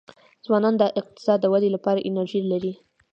ځوانان د اقتصاد د ودي لپاره انرژي لري.